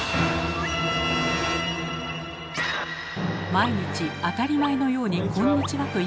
毎日当たり前のように「こんにちは」と言っている皆さん。